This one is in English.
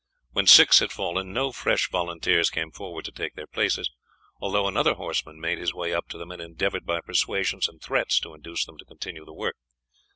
When six had fallen no fresh volunteers came forward to take their places, although another horseman made his way up to them and endeavoured by persuasions and threats to induce them to continue the work.